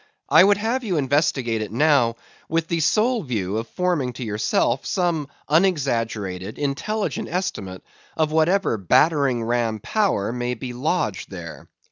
I would have you investigate it now with the sole view of forming to yourself some unexaggerated, intelligent estimate of whatever battering ram power may be lodged there.